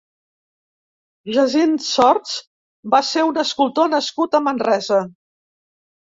Jacint Sorts va ser un escultor nascut a Manresa.